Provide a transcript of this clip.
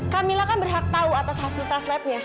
kamila kan berhak tahu atas hasil tas labnya